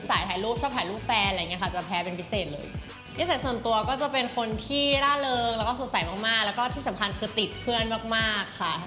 สายถ่ายรูปชอบถ่ายรูปแฟนอะไรอย่างนี้ค่ะ